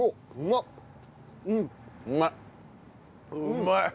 うまい！